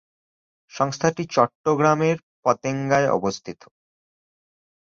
সংস্থাটি চট্টগ্রামের পতেঙ্গায় অবস্থিত।